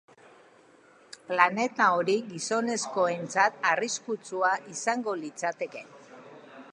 Planeta hori gizonezkoentzat arriskutsuak izango litzateke.